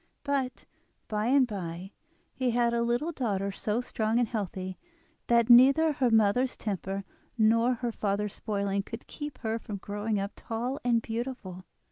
But, by and by, he had a little daughter so strong and healthy that neither her mother's temper nor her father's spoiling could keep her from growing up tall and beautiful.